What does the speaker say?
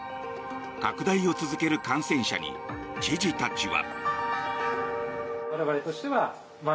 拡大を続ける感染者に知事たちは。